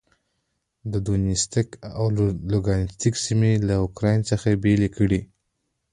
د دونیتسک او لوګانسک سیمې له اوکراین څخه بېلې کړې.